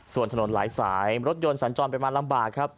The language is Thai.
ส่วนถนนหลายสายรถยนต์สัญจรเป็นมากลำบาก